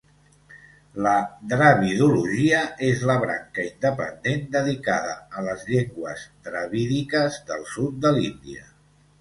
La dravidologia es la branca independent dedicada a les llengües dravídiques del sud de l'Índia.